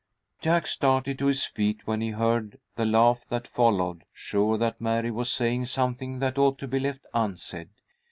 Jack started to his feet when he heard the laugh that followed, sure that Mary was saying something that ought to be left unsaid.